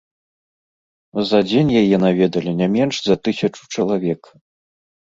За дзень яе наведалі не менш за тысячу чалавек.